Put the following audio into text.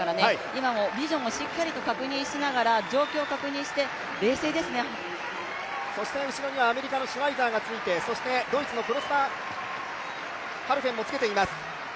今もビジョンをしっかりと確認しながら状況を確認して後ろにはアメリカのシュワイザーがついてそして、ドイツのクロスターハルフェンもつけています。